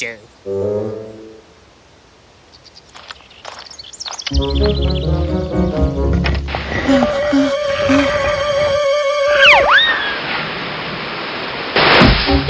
hei kenapa kau lakukan itu